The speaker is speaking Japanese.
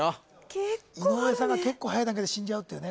結構あるね井上さんが結構はやい段階で死んじゃうっていうね